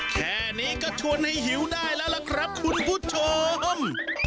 แค่นี้ก็ชวนให้หิวได้แล้วล่ะครับคุณผู้ชม